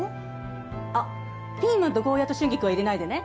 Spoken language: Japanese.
あっピーマンとゴーヤと春菊は入れないでね。